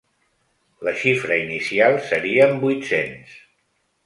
La xifra inicial serien vuit-cents.